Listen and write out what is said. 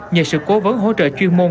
nhờ sự cố vấn hỗ trợ chuyên môn